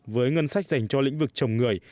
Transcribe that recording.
với ngân sách dành cho lĩnh vực chồng người